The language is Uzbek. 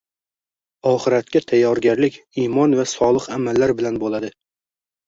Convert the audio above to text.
Oxiratga tayyorgarlik imon va solih amallar bilan bo‘ladi.